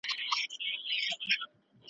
ویل ښکلي کوچېدلي ویل وچ دي ګودرونه ,